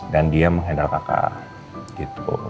dan dia mengendal kakak gitu